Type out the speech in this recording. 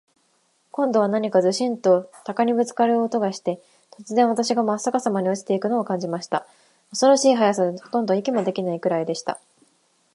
今度は何かズシンと鷲にぶっつかる音がして、突然、私はまっ逆さまに落ちて行くのを感じました。恐ろしい速さで、ほとんど息もできないくらいでした。